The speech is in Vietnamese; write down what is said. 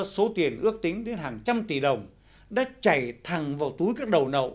số tiền ước tính đến hàng trăm tỷ đồng đã chảy thẳng vào túi các đầu nậu